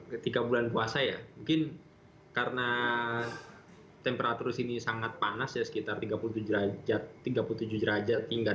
ketika bulan puasa ya mungkin karena temperatur di sini sangat panas ya sekitar tiga puluh tujuh derajat hingga tiga puluh delapan